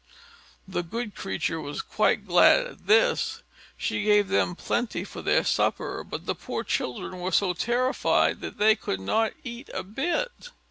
The good creature was quite glad at this. She gave them plenty for their supper, but the poor children were so terrified that they could not eat a bit.